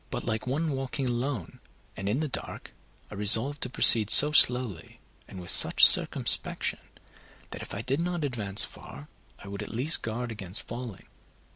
But like one walking alone and in the dark, I resolved to proceed so slowly and with such circumspection, that if I did not advance far, I would at least guard against falling.